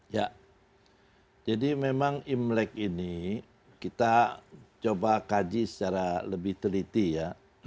ya jadi memang imlek ini kita coba kaji secara lebih teliti ya